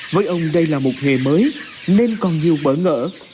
với ông đây là một nghề mới nên còn nhiều bỡ ngỡ